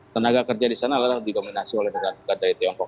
tenaga kerja di sana adalah didominasi oleh negara negara dari tiongkok